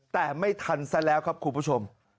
แต่ไม่ทันซะแล้วครับคุณผู้ชม